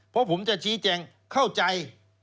เพราะผมจะชี้แจงเข้าใจ